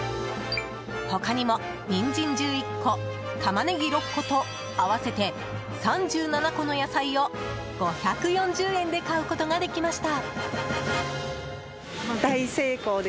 他にも、ニンジン１１個タマネギ６個と合わせて３７個の野菜を５４０円で買うことができました。